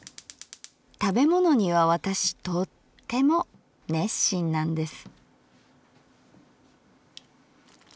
食べ物には私とっても熱心なんです」。